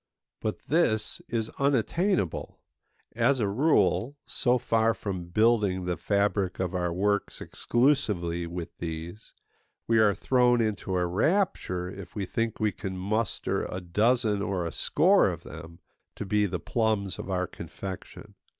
But this is unattainable. As a rule, so far from building the fabric of our works exclusively with these, we are thrown into a rapture if we think we can muster a dozen or a score of them, to be the plums of our confection.